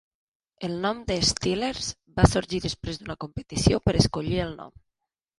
El nom de "Steelers" va sorgir després d'una competició per escollir el nom.